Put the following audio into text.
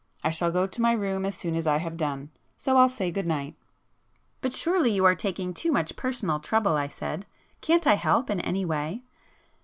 I shall go to my room as soon as I have done,—so I'll say good night." "But surely you are taking too much personal trouble,"—I said—"Can't I help in any way?"